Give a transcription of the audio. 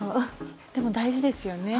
でも、大事ですよね。